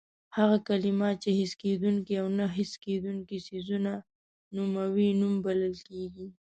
هغه کلمه چې حس کېدونکي او نه حس کېدونکي څیزونه نوموي نوم بلل کېږي.